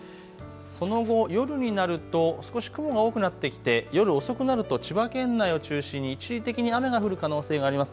その後、夜になると少し雲が多くなってきて夜遅くなると千葉県内を中心に一時的に雨が降る可能性があります。